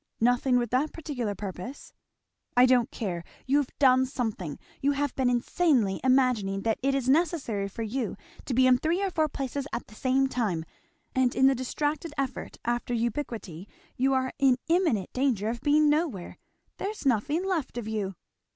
"Nothing, with that particular purpose." "I don't care, you've done something. You have been insanely imagining that it is necessary for you to be in three or four places at the same time, and in the distracted effort after ubiquity you are in imminent danger of being nowhere there's nothing left of you."